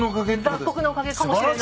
雑穀のおかげかもしれない。